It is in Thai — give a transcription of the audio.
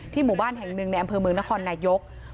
ที่หมู่บ้านแห่งหนึ่งในอัมเภอมึงนครอบครับ